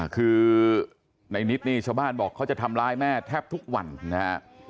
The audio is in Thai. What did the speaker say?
คือในนิดนี่ชาวบ้านบอกเขาจะทำร้ายแม่แทบทุกวันนะฮะ